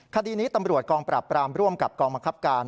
คดีนี้ตำรวจกองปราบปรามร่วมกับกองบังคับการ